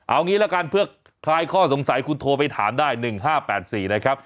เอางี้ละกันเพื่อคลายข้อสงสัยคุณโทรไปถามได้๑๕๘๔นะครับ